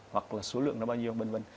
hoặc là số lượng nó bao nhiêu v v